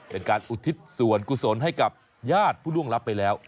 เป็นการอุทิศส่วนกุศลให้กับญาติผู้ล่วงลับไปแล้ว